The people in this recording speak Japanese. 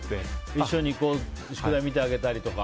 一緒に宿題見てあげたりとか。